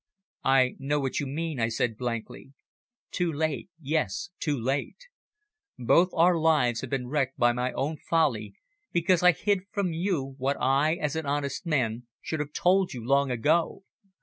"I know what you mean," I said blankly. "Too late yes, too late. Both our lives have been wrecked by my own folly because I hid from you what I as an honest man, should have told you long ago."